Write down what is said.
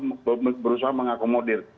selalu berusaha mengakomodir